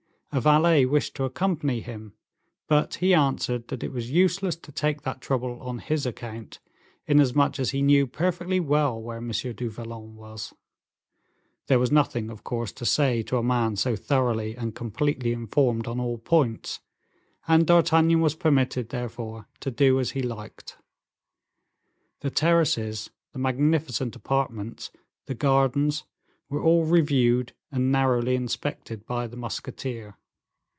A valet wished to accompany him, but he answered that it was useless to take that trouble on his account, inasmuch as he knew perfectly well where M. du Vallon was. There was nothing, of course, to say to a man so thoroughly and completely informed on all points, and D'Artagnan was permitted, therefore, to do as he liked. The terraces, the magnificent apartments, the gardens, were all reviewed and narrowly inspected by the musketeer.